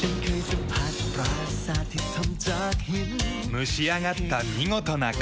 蒸し上がった見事なカニ。